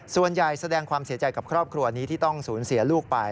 ส่วนใหญ่แสดงความเสียใจกับครอบครัวนี้ที่ต้องศูนย์เสียลูกไป